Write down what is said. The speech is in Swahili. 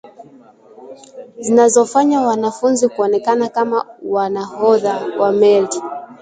zinazofanya wanafunzi kuonekana kama manahodha wa meli